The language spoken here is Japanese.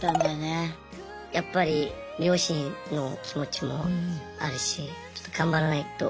やっぱり両親の気持ちもあるしちょっと頑張らないと。